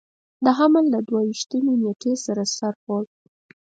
د حمل له دوه ویشتمې نېټې سره سر خوړ.